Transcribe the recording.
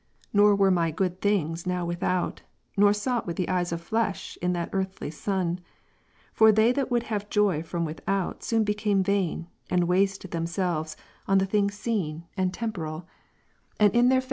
Nor were my good things^ now without, nor sought with the eyes of flesh in that earthly sun""; forthey thatwouldhave joyfrom without soon become vain, and waste themselves on the things seen, " See Note A.